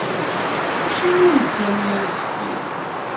Acimi ur nettaru ara s teqbaylit?